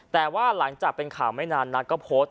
แต่ว่าหลังจากเป็นข่าวไม่นานนักก็โพสต์